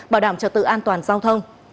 bảo đảm trật tự an toàn giao thông